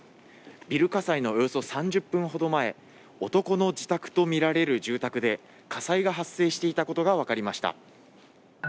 ビル火災のおよそ３０分ほど前、男の自宅とみられる住宅で火災が発生していたことが分かりました。